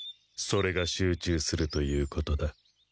それが集中するということだ。